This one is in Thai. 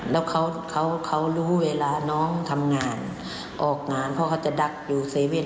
แล้วเขารู้เวลาน้องทำงานออกงานเพราะเขาจะดักดูเซเว่น